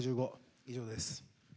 以上です。